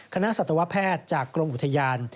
สัตวแพทย์จากกรมอุทยาน